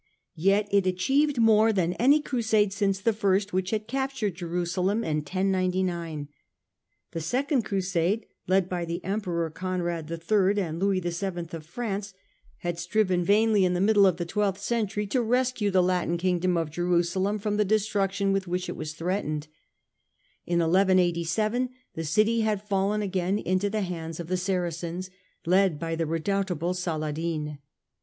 Yet it achieved more than any Crusade since the First, which had captured Jerusalem in 1099. The Second Crusade, led by the Emperor Conrad III and Louis VII of France, had striven vainly in the middle 96 STUPOR MUNDI of the twelfth century to rescue the Latin Kingdom of Jerusalem from the destruction with which it was threatened. In 1187 the city had fallen again into the hands of the Saracens, led by the redoubtable Saladin.